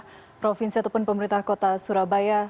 pemerintah provinsi ataupun pemerintah kota surabaya